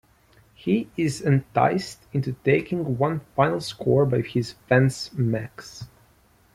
He is enticed into taking one final score by his fence Max.